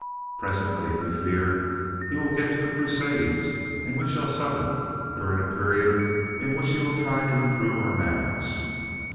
Presently, we fear, he will get to the crusades and we shall suffer during a period in which he will try to improve our manners.